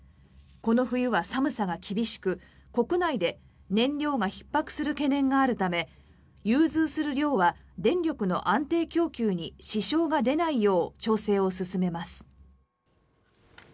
この冬は寒さが厳しく国内で燃料がひっ迫する懸念があるため融通する量は電力の安定供給に支障が出ないよう調整を進めます。